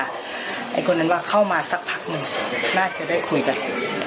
ไอ้คนนั้นว่าเข้ามาสักพักหนึ่งน่าจะได้คุยกัน